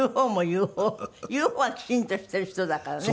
言う方はきちんとしてる人だからね。